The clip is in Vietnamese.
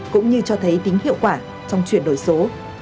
cũng như cho thấy tính hiệu quả trong chuyển đổi số